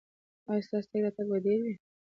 ایا ستاسو تګ راتګ به ډیر وي؟